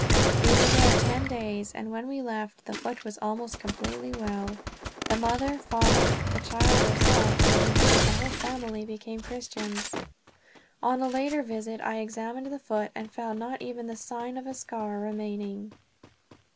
We were there ten days, and when we left the foot was almost completely well. The mother, father, the child herself, and indeed the whole family, became Christians. On a later visit I examined the foot, and found not even the sign of a scar remaining.